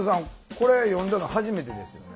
これ読んだの初めてですよね？